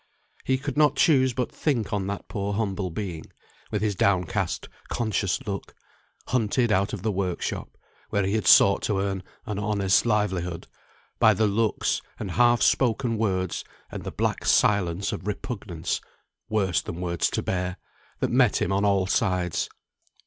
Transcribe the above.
He could not choose but think on that poor humble being, with his downcast conscious look; hunted out of the work shop, where he had sought to earn an honest livelihood, by the looks, and half spoken words, and the black silence of repugnance (worse than words to bear), that met him on all sides.